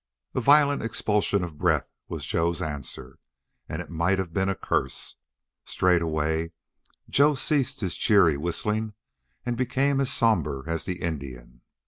A violent expulsion of breath was Joe's answer and it might have been a curse. Straightway Joe ceased his cheery whistling and became as somber as the Indian.